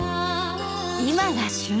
今が旬！